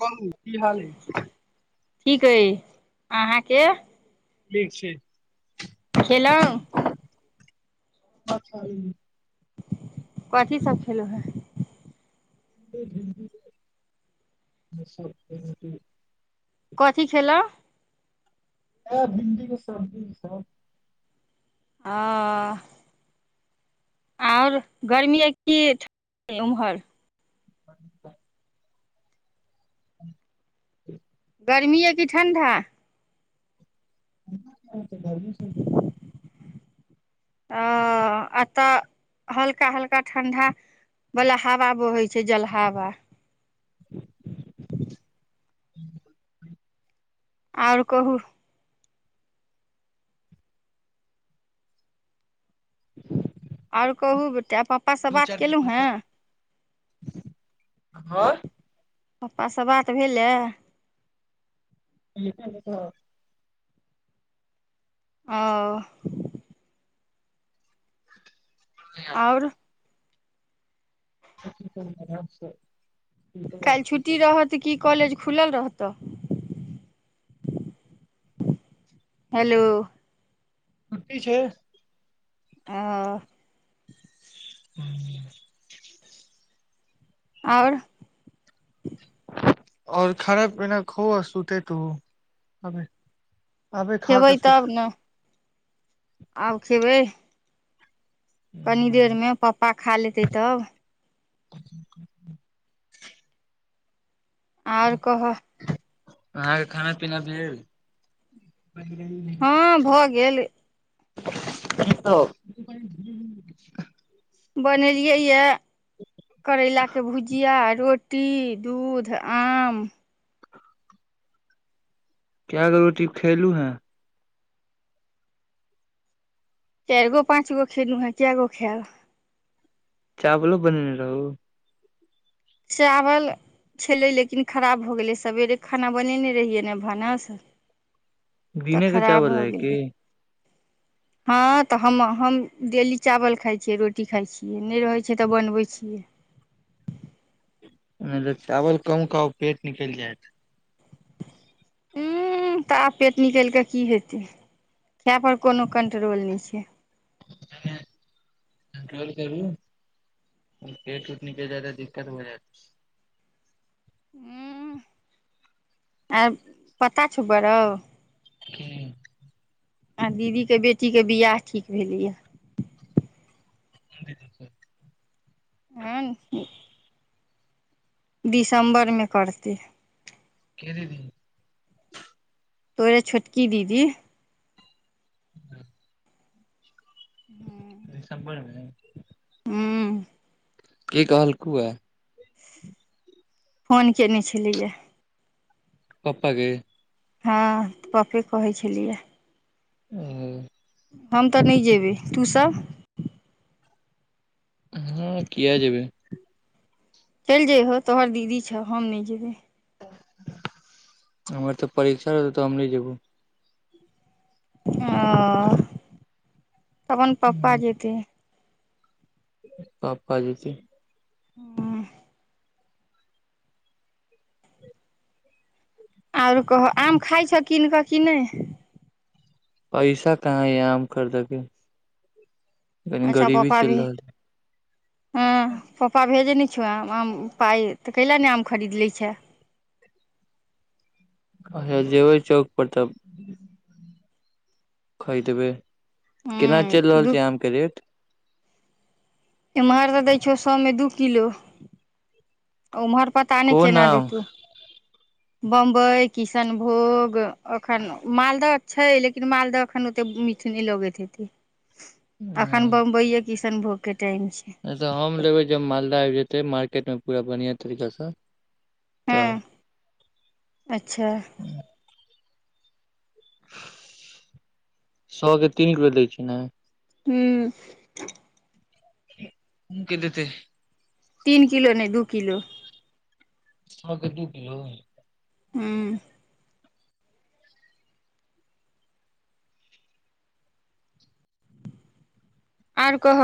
कहू की हाल ह ठीक अछि अहाँके ठीक छै खेलौं [unintelligible] कथी सब खेलों हें [unintelligible] कथी खेलौ ह भिणडी के सब्जी सब ह आओर गर्मीे की ठ ओम्हर ह [unintelligible] गर्मी य कि ठण्डा घरमे ह ए तऽ हल्का हल्का ठण्डा वला हवा बोहै छै जल हवा [unintelligible] [unintelligible] आओर कहू [unintelligible] आओर कहू ता पापा से दू बात चारि केलौ मिनट हें पप्पासँ बात भेलै ह [unintelligible] ओ [inaudible] आओर खराब छै [inaudible] काल्हि छुट्टी रहत कि कालेज खुलल रहतऽ हेलो छुट्टी छै ओ हँ [inaudible] आओर आओर खाना पीना खो आ सुतेत हो अबै खाक खेबै सु तब त ने आब खेबै कनी अहाँके देरमे पप्पा खा लेतै तब [inaudible] आओर कह अहाँके खाना पीना भेल हँ भऽ गेल तऽ [inaudible] बनेलियै येऽ करैला के भुजिया रोटी दुध आम केगो रोटी खेलू हैं चारि गो पाँच गो खेलू हैं के गो खेब चावलो बनेने रहू चावल छलै लेकिन खराब भऽ गेलै सवेरे खाना बनेने रहियै ने भानस तऽ दिने के खराब चावल भऽ रहै की गेलै हँ तऽ हम हम डेली चावल खाइ छियै रोटी खाइ छियै नहि रहै छै तऽ बनबै छियै मतलब चावल कम खाउ पेट निकलि जायत उंह तऽ आब पेट निकलि कऽ की हेतै खाय पर कोनो कंट्रोल नहि छै कंट्रोल करू पेट उट निकलि जाएत तऽ दिक्कत भऽ जेत उंह आ पता छौ बौआ रौ क [inaudible] आ दीदीके बेटीके वियाह ठीक भेलैए की [inaudible] आन दिसम्बरमे करतै के दीदी तोरे छोटकी दीदी [inaudible] सब कोई रहय [unintelligible] हूँ कि कहलको यै फोन कयने छलैयै पप्पा के हँ पप्पे कहै छलिया ह हम तऽ नै जेयबै तूसभ हूं किया जेबै चलि जयह तोहर दीदी छ हम नहि जेबै हमर तऽ परीक्षा रहतै तऽ हम नै जेबो हँ त अपन पप्पा जेतै पप्पा जेतै हँ आओरो कह आम खाइ छ कीन कऽ कि नै पैसा कहाँ यै आम खरदके कनी अच्छा गरीबी पप्पा चलि भी रहल यै हँ पप्पा भेजै नै [unintelligible] आम आम पाइ तऽ कैला नै आम खरीद लै छैए अहे जेबै चौक पर तब खय देबै केना चेल हूँ रहल दू छै आमके रेट एम्हर तऽ दै छहो सएमे दू किलो उमहर पता नै कोन केना आम देतू बम्बई किशनभोग एखन मालदह छै लेकिन मालदह एखन ओते मीठ नै लगैत हेतै अखन बम्बई ये किशनभोग के टाइम छै नै त हम लेबै जब मालदह आबि जेतै मार्केट मे पूरा बनिआँ तरीकाँस हँ अच्छा सए के तीन किलो दै छै नै हू हू हू के देेतै तीन किलो नहि दू किलो छ के दू किलो हँ आओर कह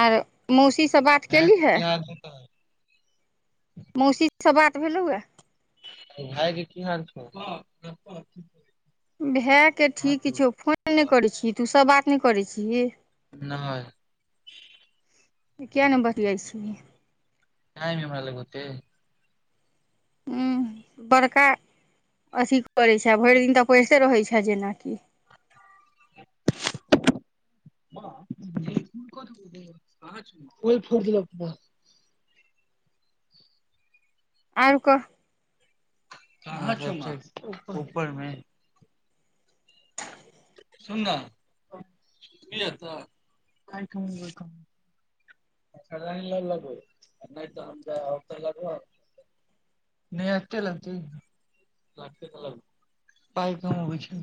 आर मौसी से बात भाय केली के है की हाल छौ मौसी से बात भेलौए भायके की हाल छौ भए के ठीक छौ फोन नहि करै छी तू सभ बात नहि करै छी ही नहि कियै नहि बतियाय छी ही टाइम यै हमरा लग ओते ह बड़का अथि करय छै भरि दिन तऽ पढ़िते रहै छै जेनाकि [unintelligible] आओर कह ऊपरमे [unintelligible] सुन नै अच्छा लाइन ल लगब नहि तऽ लगब नहि आत लागत लतै तऽ लग पइ कमाबै छै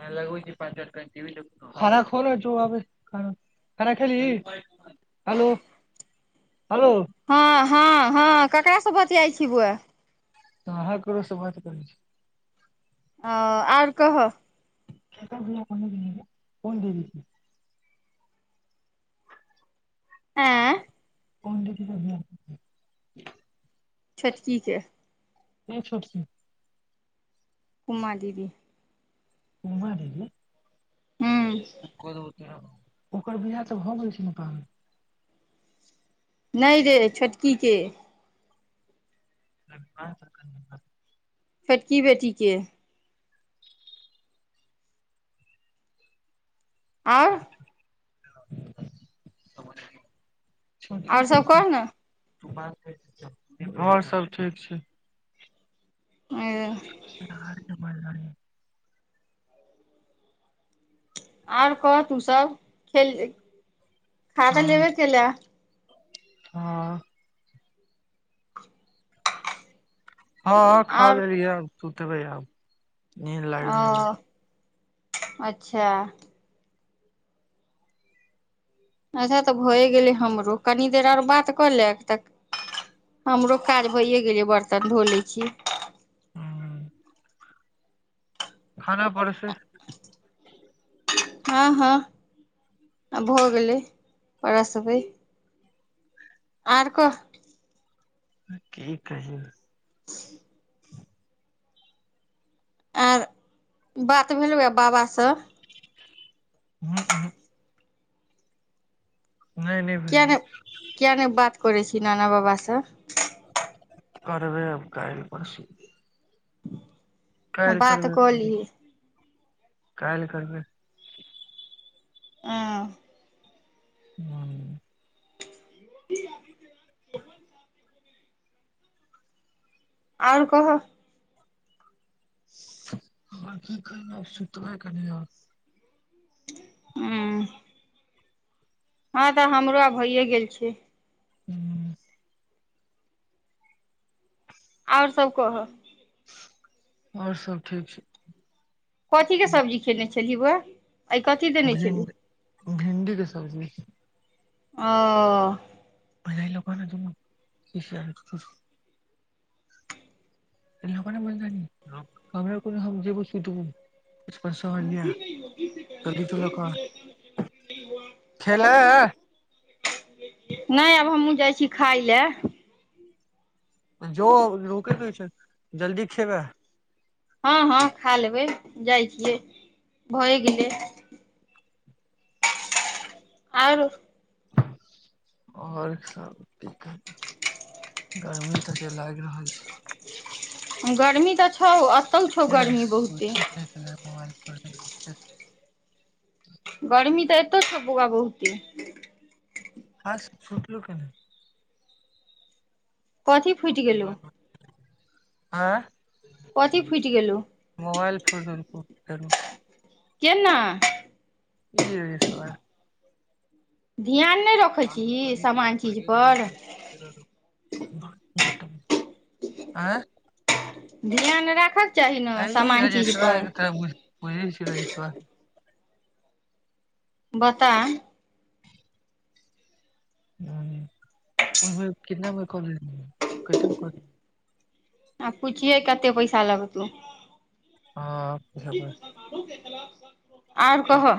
ह लगबै छी पाँच मिनट कनि खाना खो ने जो आबै खाना खेलहि हेलो हेलो ह हँ ह हँ हँ ककरासँ बतियाइ छी बौआ ह ककरा से बतियाय छी ही कहाँ ककरो से बतियाय छियै ह आर कहय [unintelligible] आँय [unintelligible] छोटकी के के छोटकी उमा दीदी उमा दीदी हूँ हेलो ओकर बिआह तऽ भऽ गेल छै ने नहि रे छोटकी के [unintelligible] छोटकी बेटी के आओर [unintelligible] आओर सभ कह न आओर सब ठीक छै आ [unintelligible] आओर कह तू सभ खेल खा तऽ लेबे केलअ हँ [unintelligible] हँ हँ खा आओर लेलीयै सुतेबै आब नींद ओ लाइग रहल य अच्छा अच्छा तऽ भएए गेलै हमरो कनि देर आर बात कऽ ले तऽ हमरो काज भइए गेलै बर्तन धो लैत छी ह खाना पड़ से [unintelligible] हँ हँ आब भऽ गेलै पड़ास बैय और कह की कहियो [inaudible] आर बात भेलहुए बाबा सँ उहु उहु नय नइ भेलै किया य नहि किया नहि बात करै छी नाना बाबासँ करबै आब काल्हि परसू बात क लीहे काइल करबै आ [unintelligible] आओर कहअ हमर की करना सुतबै कनी आब हँ हँ तऽ हमरो आब भइए गेल छै ह आओर सब कहअ आओर सब ठीक छै कथीके सब्जी खयने छलियै बोआ आ कथी देने भिन छलहु भिंडी के सब्जी ओ म लोक ने ज मन हम कोनो जे ब सु देब [unintelligible] चलही तो लऽ कऽ खेले नइ आब हमहूँ जाइ छी खाय लए जो [unintelligible] जल्दी खेबै हँ हँ खा लेबै जाइ छियै भए गेलै आउर आओर सब क गर्मी तऽ लागि रहल छै गर्मी तऽ छौ एतहु छौ ये गर्मी बहुते ठीक नहि केले [unintelligible] गर्मी तऽ एतो छौ बौआ बहुते हँ छोटल केने कथी फुटि गेलो आँ फुटि गेलौ मोबाईल फोइर देलको करू केना ई हो छै आर [inaudible] नहि रखै छीही सामान चीज पर [unintelligible] आँ ध्यान राखअ अ ई रजेश बा तोरा बुझ बुझै छी रजेशबा बता ह कितना मे क लेलही केतेय म कऽ लेलही आ पूछिये कते पैसा लगतो की मुसलमानो के खिलफ [unintelligible] आओर कहअ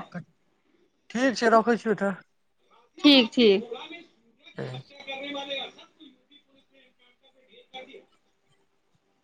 ठीक छै रखै छियो तऽ ठीक ठीक ठीक [unintelligible]